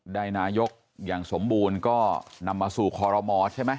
นายกอย่างสมบูรณ์ก็นำมาสู่คอรมอใช่ไหม